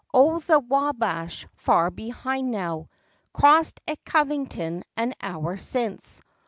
Oh, the Wabash! far behind, now; Crossed at Covington an hour since.